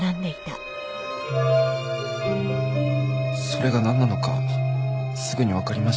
それがなんなのかすぐにわかりました。